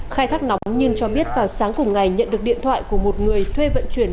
khai thác nóng nhiên cho biết vào sáng cùng ngày nhận được điện thoại của một người thuê vận chuyển